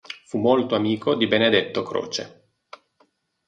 Fu molto amico di Benedetto Croce.